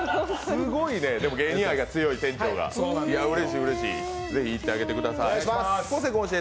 でも、芸人愛の強い店長が、うれしい、うれしいぜひ行ってください。